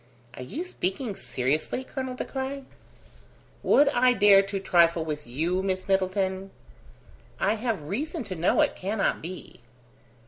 "Are you speaking seriously, Colonel De Craye?" "Would I dare to trifle with you, Miss Middleton?" "I have reason to know it cannot be."